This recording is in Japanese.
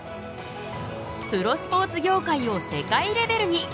プロスポーツ業界を世界レベルに！